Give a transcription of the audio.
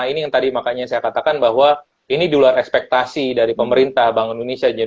ini yang tadi makanya saya katakan bahwa ini di luar ekspektasi dari pemerintah bank indonesia